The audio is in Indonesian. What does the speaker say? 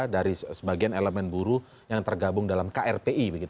dari sebagian elemen buruh yang tergabung dalam krpi